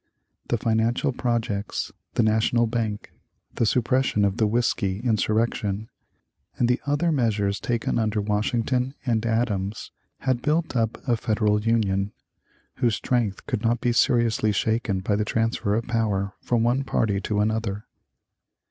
The financial projects, the national bank, the suppression of the "Whiskey Insurrection," and the other measures taken under Washington and Adams had built up a Federal Union, whose strength could not be seriously shaken by the transfer of power from one party to another.